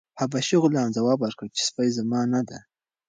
حبشي غلام ځواب ورکړ چې سپی زما نه دی.